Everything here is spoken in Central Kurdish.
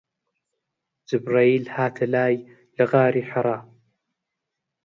جیبریل هاتە لای لە غاری حەرا